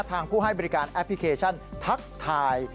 ผู้ให้บริการแอปพลิเคชันทักทาย